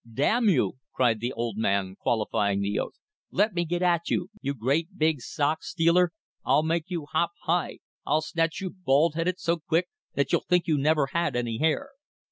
"Damn you!" cried the old man, qualifying the oath, "let me get at you, you great big sock stealer, I'll make you hop high! I'll snatch you bald headed so quick that you'll think you never had any hair!"